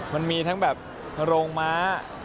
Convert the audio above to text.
มันมีทั้งแบบโรงม้า